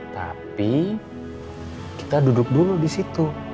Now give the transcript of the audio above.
tapi kita duduk dulu di situ